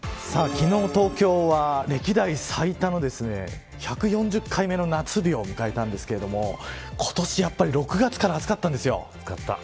昨日、東京は歴代最多の１４０回目の夏日を迎えたんですけれども今年、やっぱり６月から暑かったんですよ